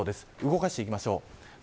動かしていきましょう。